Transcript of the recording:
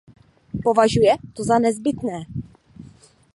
Považuje to za nezbytné.